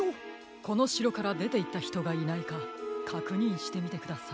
このしろからでていったひとがいないかかくにんしてみてください。